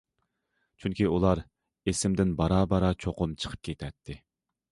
چۈنكى ئۇلار ئېسىمدىن بارا- بارا چوقۇم چىقىپ كېتەتتى.